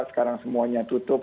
sekarang semuanya tutup